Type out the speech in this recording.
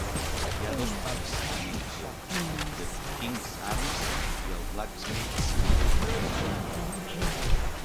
Hi ha dos pubs a Ninfield - "The Kings Arms" i el "Blacksmiths Inn".